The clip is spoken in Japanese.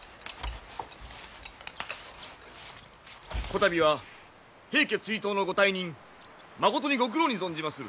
こたびは平家追討のご大任まことにご苦労に存じまする。